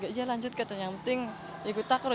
izin lanjut katanya yang penting ikut takraw